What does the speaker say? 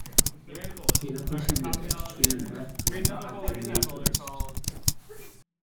He represented the extreme left-wing of the militarists.